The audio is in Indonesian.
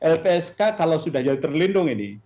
lpsk kalau sudah jadi terlindung ini